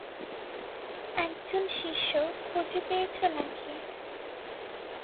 একজন শিষ্য খুঁজে পেয়েছো না কি?